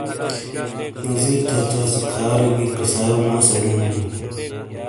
نزیر چا چا سے کھارے گئے قصایو موس اڑیو نو بیوں ۔